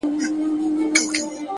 زه بې له تا گراني ژوند څه كومه!